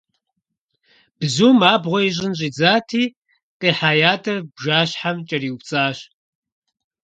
Бзум абгъуэ ищӏын щӏидзати, къихьа ятӏэр бжащхьэм кӏэриупцӏащ.